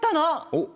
おっ！